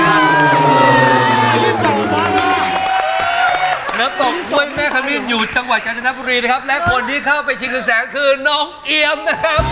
น้ำตกถ้วยแม่ขมิ้นอยู่จังหวัดกาญจนบุรีนะครับและคนที่เข้าไปชิงเงินแสนคือน้องเอียมนะครับ